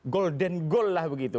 golden goal lah begitu